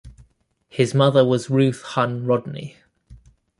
His mother was Ruth Hunn Rodney.